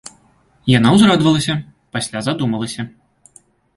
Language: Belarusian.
Яна ўзрадавалася, пасля задумалася.